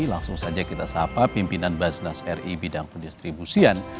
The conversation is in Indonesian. langsung saja kita sapa pimpinan basnas ri bidang pendistribusian